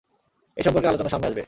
এ সম্পর্কে আলোচনা সামনে আসবে।